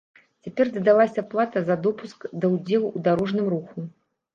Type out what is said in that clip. Цяпер дадалася плата за допуск да ўдзелу ў дарожным руху.